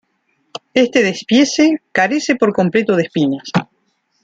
Este despiece carece por completo de espinas.